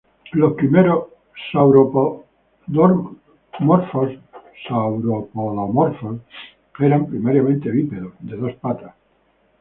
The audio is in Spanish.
Los primeros sauropodomorfos eran primariamente bípedos, de dos patas.